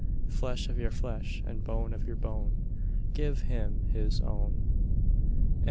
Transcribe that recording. Flesh of your flesh, and bone of your bone, Give him his own.